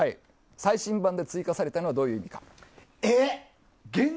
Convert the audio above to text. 最新版で追加されたのはどういう意味でしょうか。